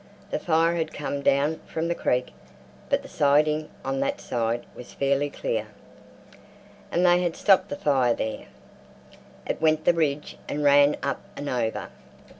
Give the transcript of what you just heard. The fire had come down from the creek, but the siding on that side was fairly clear, and they had stopped the fire there. It went behind the ridge and ran up and over.